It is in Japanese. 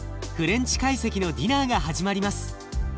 フレンチ懐石のディナーが始まります。